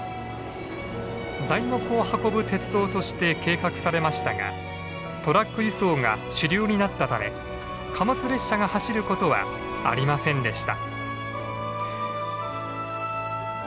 材木を運ぶ鉄道として計画されましたがトラック輸送が主流になったため貨物列車が走ることはありませんでした。